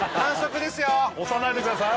押さないでください。